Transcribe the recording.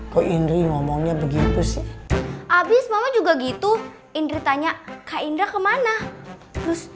kok indri ngomongnya begitu sih abis mama juga gitu indri tanya kak indra kemana terus